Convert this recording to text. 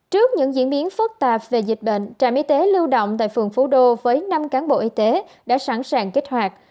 trước những diễn biến phức tạp về dịch bệnh trạm y tế lưu động tại phường phú đô với năm cán bộ y tế đã sẵn sàng kích hoạt